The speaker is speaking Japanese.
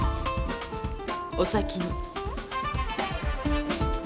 お先に。